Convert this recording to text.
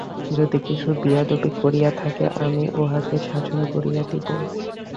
যদি কিছু বেয়াদপি করিয়া থাকে আমি উহাকে শাসন করিয়া দিব।